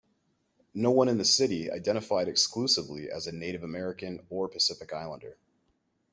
No one in the city identified exclusively as a Native American or Pacific Islander.